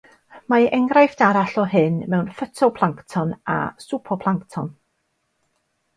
Mae enghraifft arall o hyn mewn ffytoplancton a sŵoplancton.